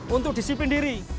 untuk disiplin diri